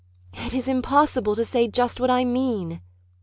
It is impossible to say just what I mean!